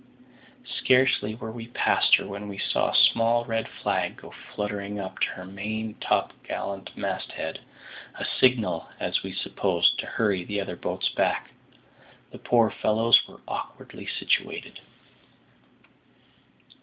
Scarcely were we past her, when we saw a small red flag go fluttering up to her main topgallant mast head; a signal, as we supposed, to hurry the other boats back. The poor fellows were awkwardly situated.